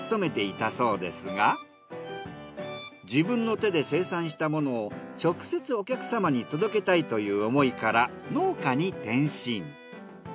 自分の手で生産したものを直接お客様に届けたいという思いから農家に転身。